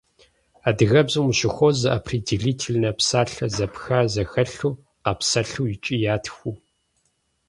Адыгэбзэм ущыхуозэ определительнэ псалъэ зэпха зэхэлъу къапсэлъу икӏи ятхыу.